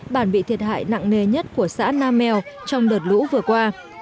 bản bị thiệt hại nặng nề nhất của xã nam mèo trong đợt lũ vừa qua